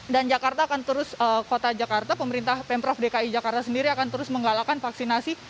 dan jakarta akan terus kota jakarta pemerintah pemprov dki jakarta sendiri akan terus menggalakan vaksinasi